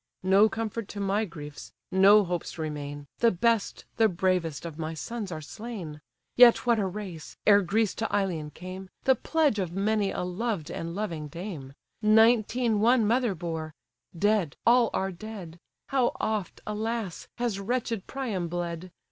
No comfort to my griefs, no hopes remain, The best, the bravest, of my sons are slain! Yet what a race! ere Greece to Ilion came, The pledge of many a loved and loving dame: Nineteen one mother bore—Dead, all are dead! How oft, alas! has wretched Priam bled!